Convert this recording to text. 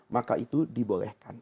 maka itu dibolehkan